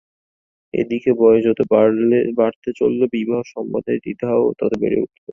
এ দিকে বয়স যত বাড়তে চলল বিবাহ সম্বন্ধে দ্বিধাও তত বেড়ে উঠল।